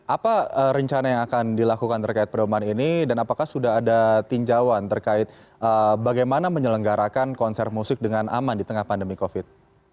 apa rencana yang akan dilakukan terkait pedoman ini dan apakah sudah ada tinjauan terkait bagaimana menyelenggarakan konser musik dengan aman di tengah pandemi covid